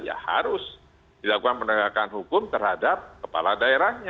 ya harus dilakukan penegakan hukum terhadap kepala daerahnya